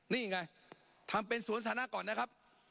นี่ไงทำเป็นสวนสาธารณะก่อนนะครับ